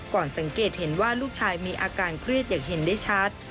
สังเกตเห็นว่าลูกชายมีอาการเครียดอย่างเห็นได้ชัด